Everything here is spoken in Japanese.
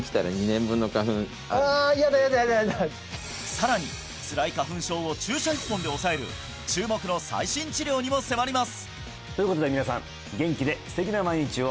さらにつらい花粉症を注射１本で抑える注目の最新治療にも迫ります！ということで皆さん元気で素敵な毎日を！